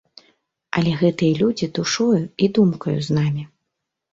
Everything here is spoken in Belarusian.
Але гэтыя людзі душою і думкаю з намі.